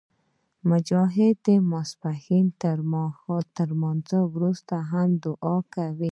مجاهد د ماسپښین تر لمونځه وروسته هم دعا کوي.